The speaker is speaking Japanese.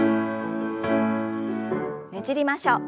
ねじりましょう。